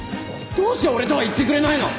どうして俺とは行ってくれないの！？